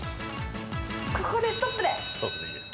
ここでストップで。